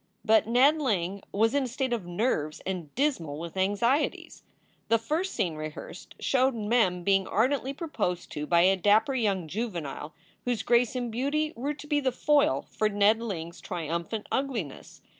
But Ned Ling was in a state of nerves and dismal with anxieties. The first scene rehearsed showed Mem being ardently proposed to by a dapper young juvenile whose grace and beauty were to be the foil for Ned Ling s triumphant ugli ness.